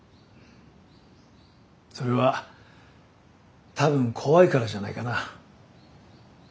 それは多分怖いからじゃないかな。